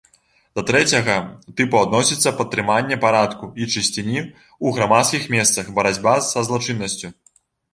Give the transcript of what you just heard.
Да трэцяга тыпу адносіцца падтрыманне парадку і чысціні ў грамадскіх месцах, барацьба са злачыннасцю.